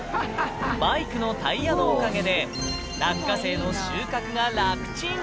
バイクのタイヤのおかげで、落花生の収穫がらくちん。